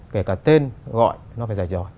kể cả tên gọi nó phải dạch dòi